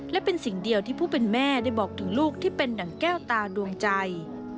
และเป็นสิ่งเดียวที่ผู้เป็นแม่ได้บอกถึงลูกที่เป็นหนังแก้วตาดวงใจ